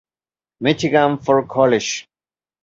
Michigan for college.